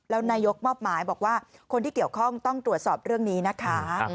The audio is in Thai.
แล้วนายกมอบหมายบอกว่าคนที่เกี่ยวข้องต้องตรวจสอบเรื่องนี้นะคะ